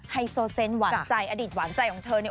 ไฮโซเซนต์หวานใจอดีตหวานใจของเธอเนี่ย